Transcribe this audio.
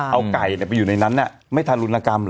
เอาไก่ไปอยู่ในนั้นไม่ทารุณกรรมเหรอ